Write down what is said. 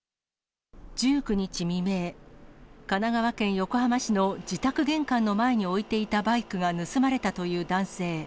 １９日未明、神奈川県横浜市の自宅玄関の前に置いていたバイクが盗まれたとい